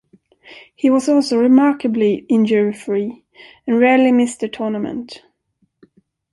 He was also remarkably injury free and rarely missed a tournament.